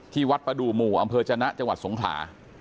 วัดประดูกหมู่อำเภอจนะจังหวัดสงขลา